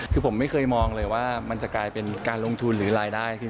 คือผมไม่เคยมองเลยว่ามันจะกลายเป็นการลงทุนหรือรายได้